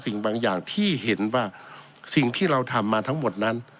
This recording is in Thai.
สิ่งบางอย่างที่เห็นว่าสิ่งที่เราทำมาทั้งหมดนั้น